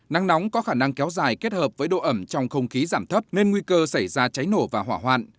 nắng nóng có khả năng kéo dài kết hợp với độ ẩm trong không khí giảm thấp nên nguy cơ xảy ra cháy nổ và hỏa hoạn